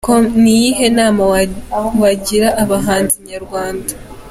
com : Ni iyihe nama wagira abahanzi b'abanyarwanda ?.